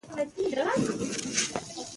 ځینې نور چای په بشپړو پاڼو وي.